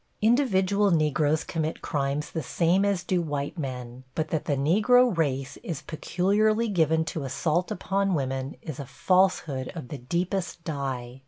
Individual Negroes commit crimes the same as do white men, but that the Negro race is peculiarly given to assault upon women, is a falsehood of the deepest dye.